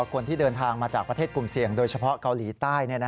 คนที่เดินทางมาจากประเทศกลุ่มเสี่ยงโดยเฉพาะเกาหลีใต้